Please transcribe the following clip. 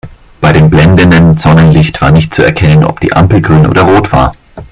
Bei dem blendenden Sonnenlicht war nicht zu erkennen, ob die Ampel grün oder rot war.